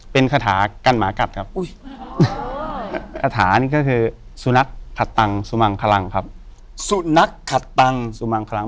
เป็นคาถากันหมากัดครับคาถานี่ก็คือสุนัขขัดตังสุมังคลังครับสุนัขขัดตังสุมังคลัง